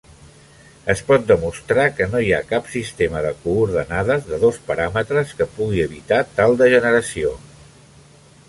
Es pot demostrar que no hi ha cap sistema de coordenades de dos paràmetres que pugui evitar tal degeneració.